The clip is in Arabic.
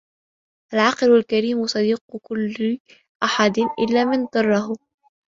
الْعَاقِلُ الْكَرِيمُ صَدِيقُ كُلِّ أَحَدٍ إلَّا مَنْ ضَرَّهُ